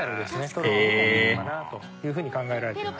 取るのにもいいのかなというふうに考えられています。